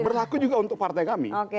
berlaku juga untuk partai kami